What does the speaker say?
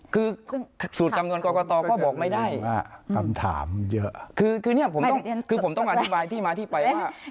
คือสูตรกำหนวนกรกฎตอก็บอกไม่ได้คือผมต้องอธิบายที่มาที่ไปว่า